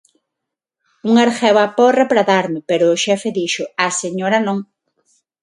Un ergueu a porra para darme, pero o xefe dixo: "Á señora non!".